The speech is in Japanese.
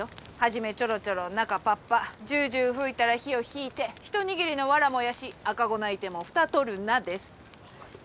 「はじめちょろちょろ中ぱっぱじゅうじゅう吹いたら火をひいてひと握りのワラ燃やし赤子泣いてもふた取るな」です。